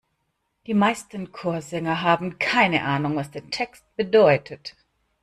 Die meisten Chorsänger haben keine Ahnung, was der Text bedeutet.